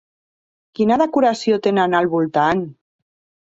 Quina decoració tenen al voltant?